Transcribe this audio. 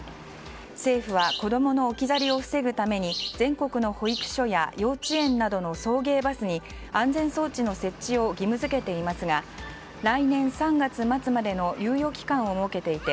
政府は子供の置き去りを防ぐために全国の保育所や幼稚園などの送迎バスに安全装置の設置を義務付けていますが来年３月末までの猶予期間を設けていて